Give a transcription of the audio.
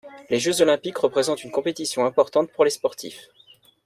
Les jeux olympiques représentent une compétition importante pour les sportifs.